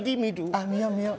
あっ見よう